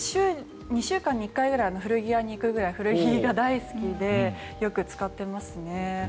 ２週間に１回ぐらい古着屋に行くぐらい古着が大好きでよく使っていますね。